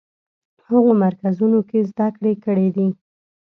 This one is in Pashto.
هغو مرکزونو کې زده کړې کړې دي.